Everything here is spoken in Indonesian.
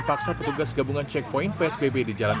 dan paksa petugas gabungan cekpoin psbb di jalan